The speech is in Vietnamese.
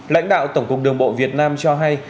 lãnh đạo tổng cục đường bộ việt nam cho hay